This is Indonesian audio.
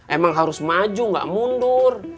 emang harus maju gak mundur